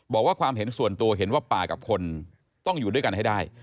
บอกว่าความเห็นส่วนตัวเห็นว่าป่ากับคนต้องอยู่ด้วยกันให้ได้